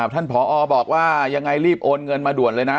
ท่านผอบอกว่ายังไงรีบโอนเงินมาด่วนเลยนะ